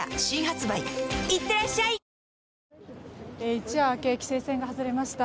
一夜明け規制線が外れました。